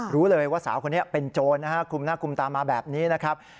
รู้เลยว่าสาวคนนี้เป็นโจรนะฮะคุมหน้าคุมตามาแบบนี้นะครับ